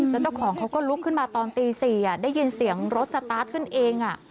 แล้วเจ้าของเขาก็ลุกขึ้นมาตอนตี๔ได้ยินเสียงรถสตาร์ทขึ้นเอง